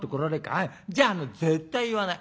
「ああじゃあ絶対言わない。